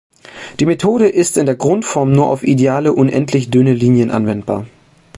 Die Methode ist in der Grundform nur auf ideale, unendlich dünne Linien anwendbar.